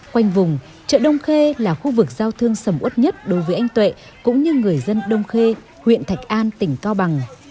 quanh vùng chợ đông khê là khu vực giao thương sầm út nhất đối với anh tuệ cũng như người dân đông khê huyện thạch an tỉnh cao bằng